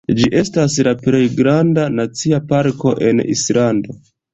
Ĝi estas la plej granda nacia parko en Islando.